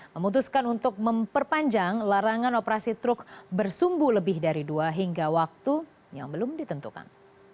memutuskan untuk memperpanjang larangan operasi truk bersumbu lebih dari dua hingga waktu yang belum ditentukan